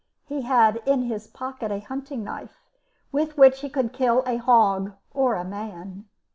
He had in his pocket a hunting knife, with which he could kill a hog or a man.